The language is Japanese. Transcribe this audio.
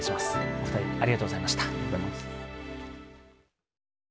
お二人ありがとうございました。